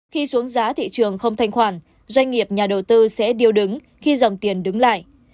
khi xuống giá thị trường không thanh khoản doanh nghiệp nhà đầu tư sẽ điêu đứng khi dòng tiền đứng lại